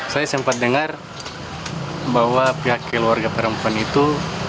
saya sempat dengar bahwa pihak keluarga perempuan itu